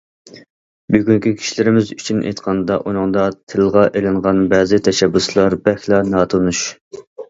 بۈگۈنكى كىشىلىرىمىز ئۈچۈن ئېيتقاندا، ئۇنىڭدا تىلغا ئېلىنغان بەزى تەشەببۇسلار بەكلا ناتونۇش.